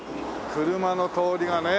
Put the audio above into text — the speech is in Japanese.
車の通りがね